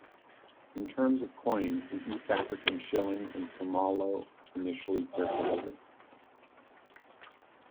In terms of coins, the East African shilling and somalo initially circulated.